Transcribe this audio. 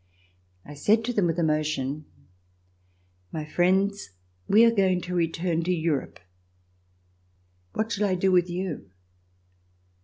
I said to them with emotion: ''My friends, we are going to return to Europe. What shall I do with you